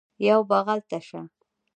یوه بغل ته شه